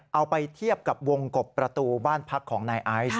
เอาไปเทียบกับวงกบประตูบ้านพักของนายไอซ์